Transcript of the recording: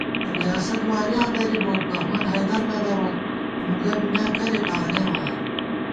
ریاست وارِیاں دَری بوت بہمن حیدر نہ دَروت، نونگہ بی میاں کریَکہ آنېمہ آں